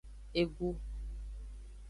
Egu.